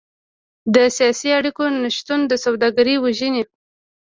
د سیاسي اړیکو نشتون سوداګري وژني.